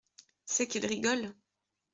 C’est qu’il rigole.